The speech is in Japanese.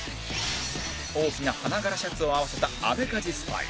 大きな花柄シャツを合わせたアメカジスタイル